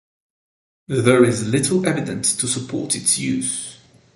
There is little evidence to support its use.